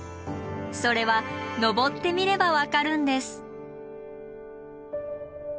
それは登ってみれば分かるんです。